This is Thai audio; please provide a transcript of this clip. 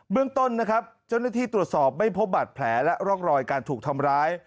เรื่องต้นนะครับเจ้าหน้าที่ตรวจสอบไม่พบบาดแผลและร่องรอยการถูกทำร้าย